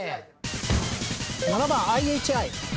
７番ＩＨＩ。